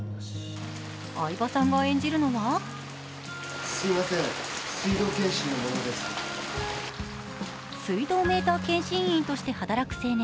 相葉さんが演じるのは水道メーター検針員として働く青年。